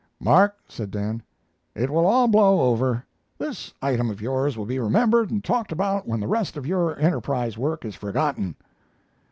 "Mark," said Dan. "It will all blow over. This item of yours will be remembered and talked about when the rest of your Enterprise work is forgotten."